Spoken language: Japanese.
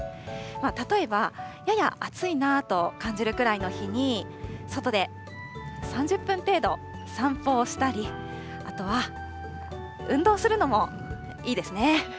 例えばやや暑いなと感じるくらいの日に、外で３０分程度散歩をしたり、あとは運動するのもいいですね。